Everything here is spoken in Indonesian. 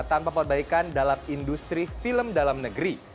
tanpa perbaikan dalam industri film dalam negeri